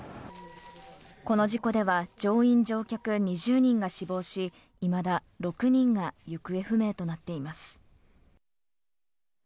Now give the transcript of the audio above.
この事故では、乗員・乗客２０人が死亡し、今だ６人が行方不明となっています。